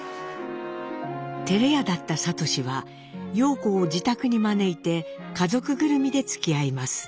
照れ屋だった智は様子を自宅に招いて家族ぐるみでつきあいます。